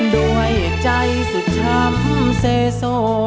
โดยใจสุดทำเซโส